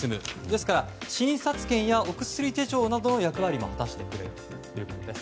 ですから、診察券やお薬手帳などの役割も果たしてくれるということです。